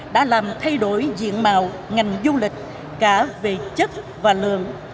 đã làm thay đổi diện mạo ngành du lịch cả về chất và lượng